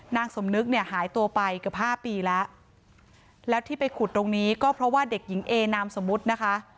นางสมนึกเนี่ยหายตัวไปเกือบห้าปีแล้วแล้วที่ไปขุดตรงนี้ก็เพราะว่าเด็กหญิงเอนามสมมุตินะคะ